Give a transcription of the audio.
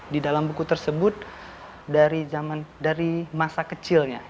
di dalam buku tersebut dari masa kecilnya